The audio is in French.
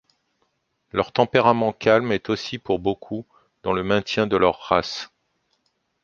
Leur tempérament calme est aussi pour beaucoup dans le maintien de leur race.